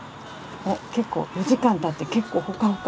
お結構４時間たって結構ほかほか。